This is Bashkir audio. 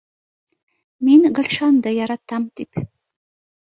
— Мин Гөлшанды яратам, тип